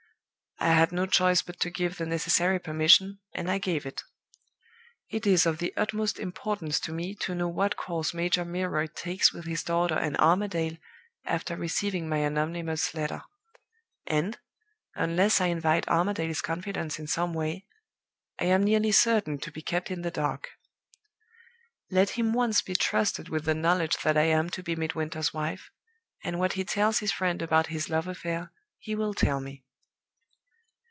"I had no choice but to give the necessary permission, and I gave it. It is of the utmost importance to me to know what course Major Milroy takes with his daughter and Armadale after receiving my anonymous letter; and, unless I invite Armadale's confidence in some way, I am nearly certain to be kept in the dark. Let him once be trusted with the knowledge that I am to be Midwinter's wife, and what he tells his friend about his love affair he will tell me.